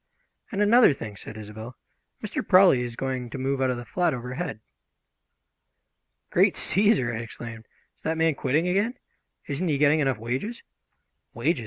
"And another thing," said Isobel, "Mr. Prawley is going to move out of the flat overhead." "Great Cæsar!" I exclaimed. "Is that man quitting again? Isn't he getting enough wages?" "Wages?"